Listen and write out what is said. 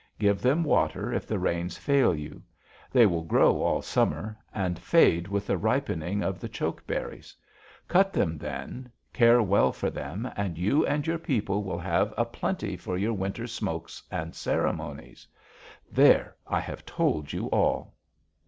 Give them water if the rains fail you. They will grow all summer, and fade with the ripening of the choke cherries. Cut them then, care well for them, and you and your people will have a plenty for your winter smokes and ceremonies. There! I have told you all!'